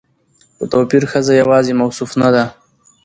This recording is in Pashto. په توپير ښځه يواځې موصوف نه ده